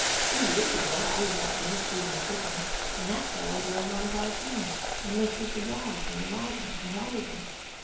"Two years ago I was out there shooting chickens, and that fellow drove one of our teams, and lifted the dogs in the wagon, and watered them.